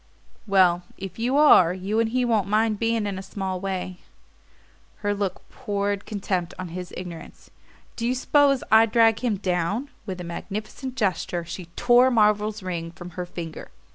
"Well, if you are, you and he won't mind beginning in a small way." Her look poured contempt on his ignorance. "Do you s'pose I'd drag him down?" With a magnificent gesture she tore Marvell's ring from her finger.